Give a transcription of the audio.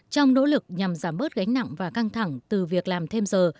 trong nỗ lực nhằm giảm bớt gánh nặng và căng thẳng từ việc làm thêm giờ